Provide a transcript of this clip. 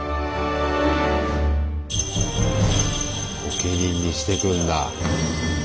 御家人にしてくんだ。